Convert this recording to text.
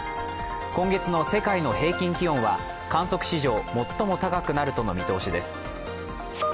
今月の世界の平均気温は観測史上最も高くなるとの見通しです。